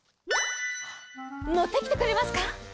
もってきてくれますか？